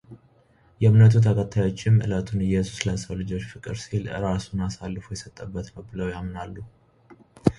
የእምነቱ ተከታዮችም ዕለቱን ኢየሱስ ለሰው ልጆች ፍቅር ሲል ራሱን አሳልፎ የሰጠበት ነው ብለው ያምናሉ።